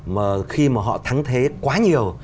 mà khi mà họ thắng thế quá nhiều